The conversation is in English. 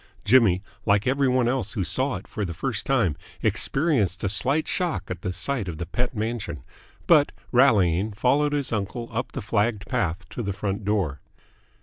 Jimmy, like every one else who saw it for the first time, experienced a slight shock at the sight of the Pett mansion, but, rallying, followed his uncle up the flagged path to the front door.